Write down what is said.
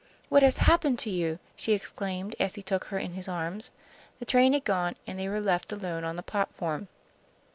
What has happened to you?" she exclaimed, as he took her in his arms. The train had gone on, and they were left alone on the platform.